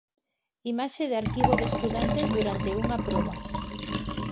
Imaxe de arquivo de estudantes durante unha proba.